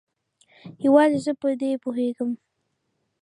یوازې زه په دې پوهیږم